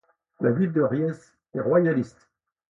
La ville de Riez est royaliste.